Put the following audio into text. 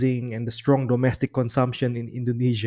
dan konsumsi domestik yang kuat di indonesia